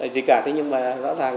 gì cả thế nhưng mà rõ ràng